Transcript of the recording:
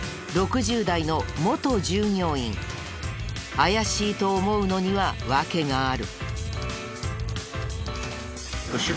怪しいと思うのには訳がある。